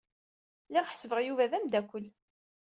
Lliɣ ḥesbeɣ Yuba d amdakkel.